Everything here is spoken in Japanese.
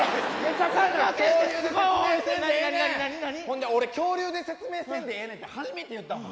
ほんで俺恐竜で説明せんでええねんって初めて言うたわ。